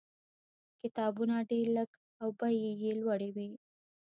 کتابونه ډېر لږ او بیې یې لوړې وې.